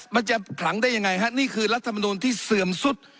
มันจะขลังได้ยังไงฮะนี่คือรัฐมนูลที่เสื่อมสุด